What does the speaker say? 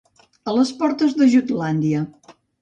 A les portes de Jutlàndia.